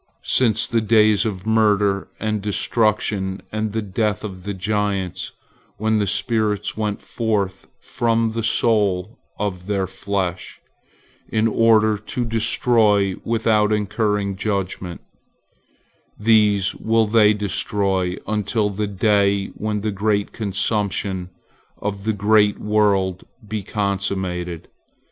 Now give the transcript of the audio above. Since the days of murder and destruction and the death of the giants, when the spirits went forth from the soul of their flesh, in order to destroy without incurring judgment—thus will they destroy until the day when the great consummation of the great world be consummated.